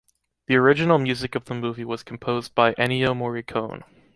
The original music of the movie was composed by Ennio Morricone.